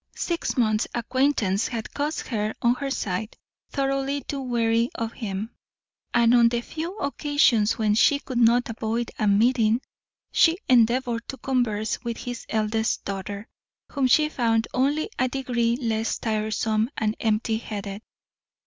Six months' acquaintance had caused her, on her side, thoroughly to weary of him, and on the few occasions when she could not avoid a meeting she endeavoured to converse with his eldest daughter, whom she found only a degree less tiresome and empty headed.